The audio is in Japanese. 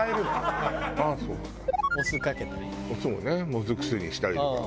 もずく酢にしたりとか。